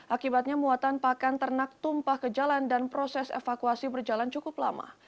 akibatnya muatan pakan ternak tumpah ke jalan dan proses evakuasi berjalan cukup lama